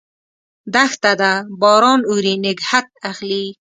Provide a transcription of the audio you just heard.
دښته ده ، باران اوري، نګهت اخلي